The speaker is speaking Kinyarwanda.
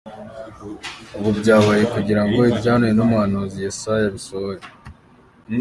Ibi byabaye kugira ngo ibyahanuwe n’umuhanuzi Yesaya bisohore.